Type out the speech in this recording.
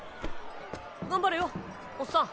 頑張れよおっさん。